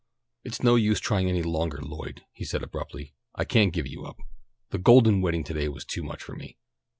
"It's no use trying any longer, Lloyd," he said abruptly. "I can't give you up. The golden wedding to day was too much for me."